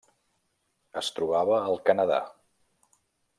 Es trobava al Canadà: